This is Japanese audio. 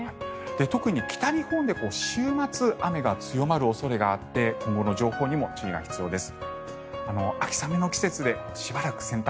特に北日本で週末、雨が強まる恐れがあって今後の情報にも注意が必要です。